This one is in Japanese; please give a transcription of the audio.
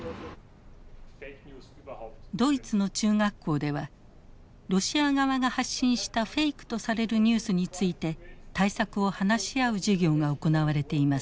ドイツの中学校ではロシア側が発信したフェイクとされるニュースについて対策を話し合う授業が行われています。